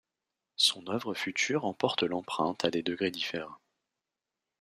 Son œuvre future en porte l'empreinte à des degrés divers.